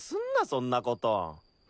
そんなこと。